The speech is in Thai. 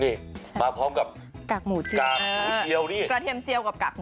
นี่บาพร้อมกับกาเทียมเจียวกับกาเงิน